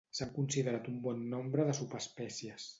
S'han considerat un bon nombre de subespècies.